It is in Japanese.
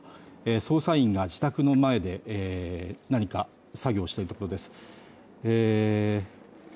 捜査員が自宅の前で何か作業しているところです。